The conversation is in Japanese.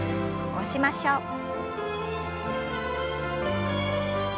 起こしましょう。